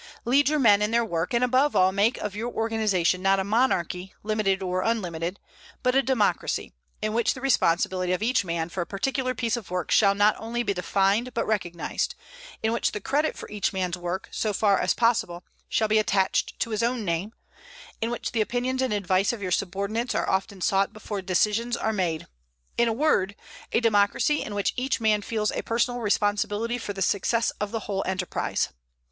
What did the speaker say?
Lead your men in their work, and above all make of your organization not a monarchy, limited or unlimited, but a democracy, in which the responsibility of each man for a particular piece of work shall not only be defined but recognized, in which the credit for each man's work, so far as possible, shall be attached to his own name, in which the opinions and advice of your subordinates are often sought before decisions are made; in a word, a democracy in which each man feels a personal responsibility for the success of the whole enterprise.